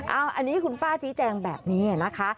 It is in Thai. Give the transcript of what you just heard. อันนี้คุณป้าชี้แจงแบบนี้นะคะ